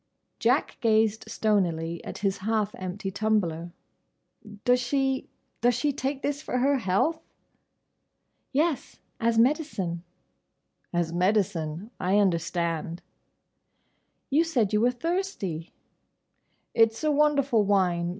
Jack gazed stonily at his half empty tumbler. "Does she—does she take this for her health?" "Yes. As medicine." "As medicine—I understand." "You said you were thirsty." "It's a wonderful wine.